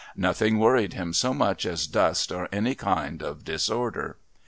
Nothing worried him so much as dust or any kind of disorder.